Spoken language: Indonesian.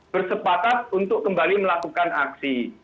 bersepakat untuk kembali melakukan aksi